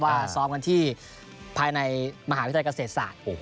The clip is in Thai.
ว่าส้อมกันที่ภายในมหาวิทยากเศรษฐ์สาร